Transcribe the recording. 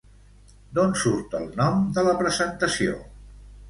D'on surt el nom de la presentació?